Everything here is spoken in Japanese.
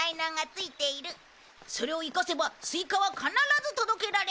それを生かせばスイカは必ず届けられる。